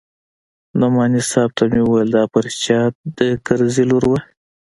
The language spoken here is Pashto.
نعماني صاحب ته مې وويل دا په رښتيا د کرزي لور وه.